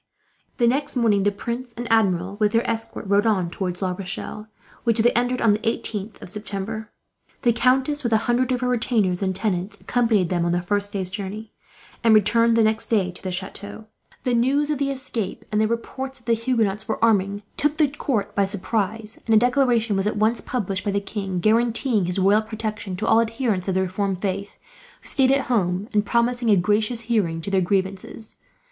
The next morning the prince and Admiral, with their escort, rode on towards La Rochelle; which they entered on the 18th September. The countess, with a hundred of her retainers and tenants, accompanied them on the first day's journey; and returned, the next day, to the chateau. The news of the escape, and the reports that the Huguenots were arming, took the court by surprise; and a declaration was at once published, by the king, guaranteeing his royal protection to all adherents of the reformed faith who stayed at home, and promising a gracious hearing to their grievances.